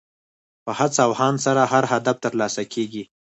په هڅه او هاند سره هر هدف ترلاسه کېږي.